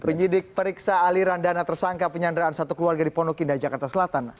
penyidik periksa aliran dana tersangka penyanderaan satu keluarga di pondok indah jakarta selatan